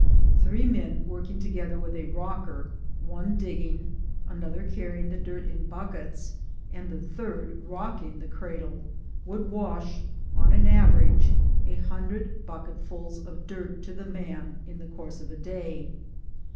'Three men work ing together with a rocker — one digging, another carry ing the dirt in buckets, and the third rocking the cradle — would wash on an average a hundred bucket fuls of dirt to the man in the course of the day.